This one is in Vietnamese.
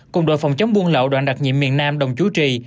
cùng đội phòng chống buôn lậu đoạn đặc nhiệm miền nam đồng chú trì